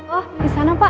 oh disana pak